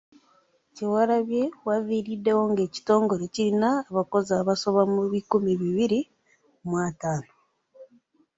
Kyewalabye w’aviiriddewo nga ekitongole kirina abakozi abasoba mu bikumi bibiri mu ataano.